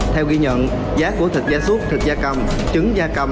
theo ghi nhận giá của thịt gia súc thịt gia cầm trứng gia cầm